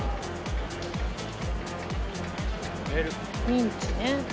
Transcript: ミンチね。